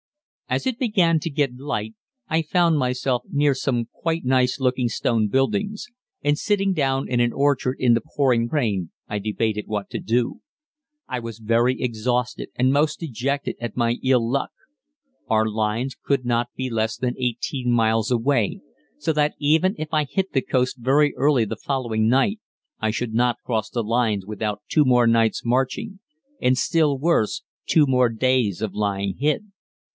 As it began to get light I found myself near some quite nice looking stone buildings, and sitting down in an orchard in the pouring rain I debated what to do. I was very exhausted, and most dejected at my ill luck. Our lines could not be less than 18 miles away, so that even if I hit the coast very early the following night I should not cross the lines without two more nights' marching and still worse two more days of lying hid.